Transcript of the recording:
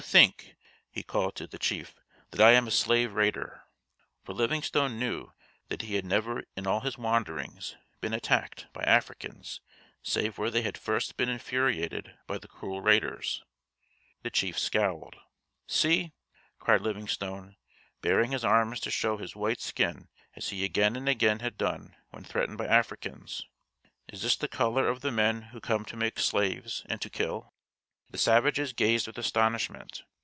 "You think," he called to the chief, "that I am a slave raider." For Livingstone knew that he had never in all his wanderings been attacked by Africans save where they had first been infuriated by the cruel raiders. The chief scowled. "See," cried Livingstone, baring his arm to show his white skin as he again and again had done when threatened by Africans, "is this the colour of the men who come to make slaves and to kill?" The savages gazed with astonishment.